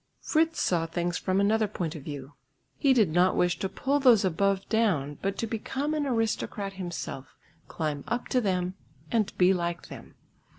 Fritz saw things from another point of view. He did not wish to pull those above down, but to become an aristocrat himself, climb up to them and be like them.